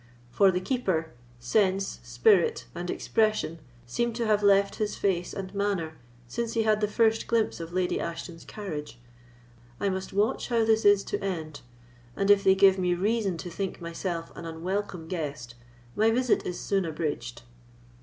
For the Keeper, sense, spirit, and expression seem to have left his face and manner since he had the first glimpse of Lady Ashton's carriage. I must watch how this is to end; and, if they give me reason to think myself an unwelcome guest, my visit is soon abridged."